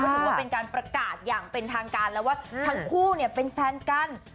ถือว่าเป็นการประกาศอย่างเป็นทางการแล้วว่าทั้งคู่เนี่ยเป็นแฟนกัน